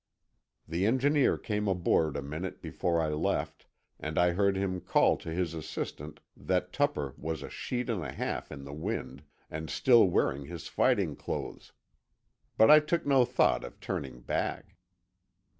The engineer came aboard a minute before I left, and I heard him call to his assistant that Tupper was a sheet and a half in the wind, and still wearing his fighting clothes. But I took no thought of turning back.